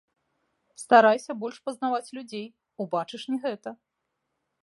Старайся больш пазнаваць людзей, убачыш не гэта.